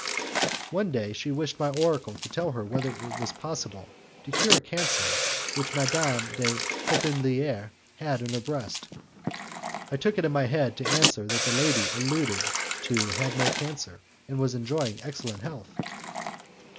One day she wished my oracle to tell her whether it was possible to cure a cancer which Madame de la Popeliniere had in the breast; I took it in my head to answer that the lady alluded to had no cancer, and was enjoying excellent health.